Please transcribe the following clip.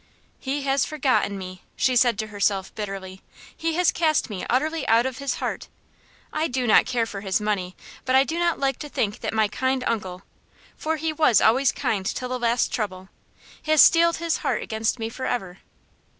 "He has forgotten me!" she said to herself, bitterly. "He has cast me utterly out of his heart. I do not care for his money, but I do not like to think that my kind uncle for he was always kind till the last trouble has steeled his heart against me forever."